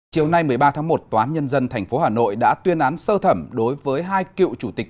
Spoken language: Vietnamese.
chiều nay một mươi ba tháng một tòa án nhân dân tp hà nội đã tuyên án sơ thẩm đối với hai cựu chủ tịch